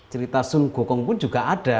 cerita sun gokong pun juga ada